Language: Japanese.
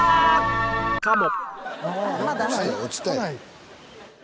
かも？